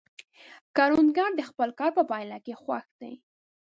کروندګر د خپل کار په پایله کې خوښ دی